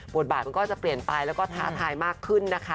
บทบาทมันก็จะเปลี่ยนไปแล้วก็ท้าทายมากขึ้นนะคะ